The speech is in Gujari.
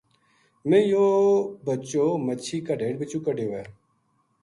میں یوہ بچو مچھی کا ڈھیڈ بِچوں کڈھیو ہے‘‘